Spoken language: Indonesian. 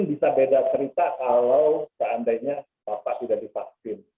tetapi tentu nggak semua orang sama dengan bapak